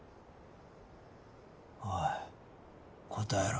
おい答えろ。